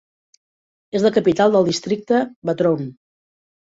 És la capital del districte Batroun.